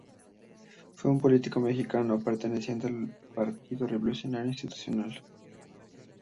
Fue un político mexicano, perteneciente al Partido Revolucionario Institucional.